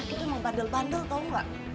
kinar anak itu emang bandel bandel tau gak